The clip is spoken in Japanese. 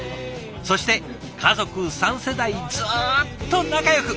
そして家族３世代ずっと仲よく！